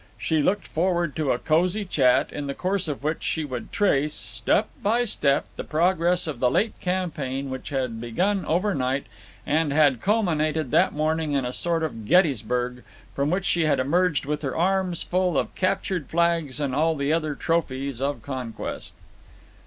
She looked forward to a cosy chat, in the course of which she would trace, step by step, the progress of the late campaign which had begun overnight and had culminated that morning in a sort of Gettysburg, from which she had emerged with her arms full of captured flags and all the other trophies of conquest.